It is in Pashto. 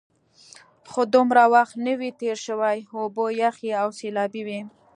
خو دومره وخت نه وي تېر شوی، اوبه یخې او سیلابي وې.